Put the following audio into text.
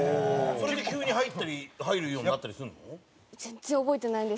それで急に入ったり入るようになったりするの？